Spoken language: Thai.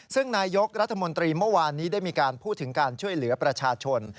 ซึ่งนายกรัฐมนตรีเมื่อวานนี้ได้มีการพูดถึงการช่วยเหลือประชาชน